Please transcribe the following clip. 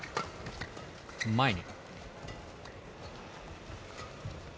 前に。